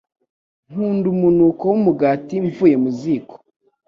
Nkunda umunuko wumugati mvuye mu ziko.